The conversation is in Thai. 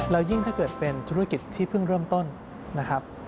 แล้วยิ่งถ้าเกิดเป็นธุรกิจที่เพิ่งเริ่มต้นนะครับ